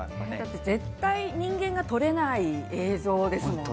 絶対人間が撮れない映像ですもんね。